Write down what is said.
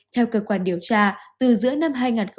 theo cơ quan điều tra từ giữa năm hai nghìn hai mươi một